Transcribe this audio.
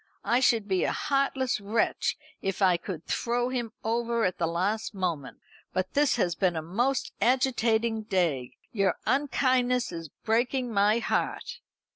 I should be a heartless wretch if I could throw him over at the last moment. But this has been a most agitating day. Your unkindness is breaking my heart."